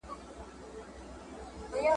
قوالې چي د جنت یې ورکولې ..